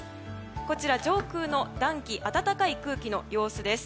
上空の暖気暖かい空気の様子です。